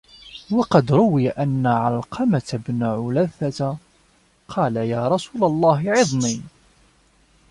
وَقَدْ رُوِيَ أَنَّ عَلْقَمَةَ بْنَ عُلَاثَةَ قَالَ يَا رَسُولَ اللَّهِ عِظْنِي